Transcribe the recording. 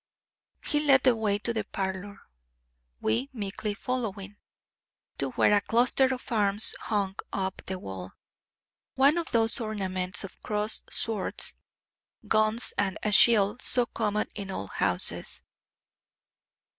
He led the way to the parlor we meekly following to where a cluster of arms hung upon the wall: one of those ornaments of crossed swords, guns and a shield, so common in old houses.